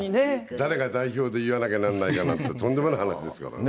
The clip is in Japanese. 誰が代表で言わなきゃなんないかなって、とんでもない話ですからね。